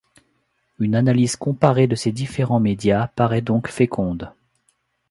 Une analyse comparée de ces différents médias paraît donc féconde.